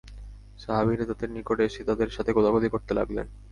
সাহাবীরা তাদের নিকট এসে তাদের সাথে কোলাকুলি করতে লাগলেন।